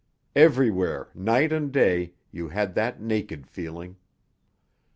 Everywhere, night and day, you had that naked feeling.